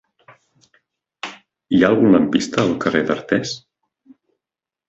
Hi ha algun lampista al carrer d'Artés?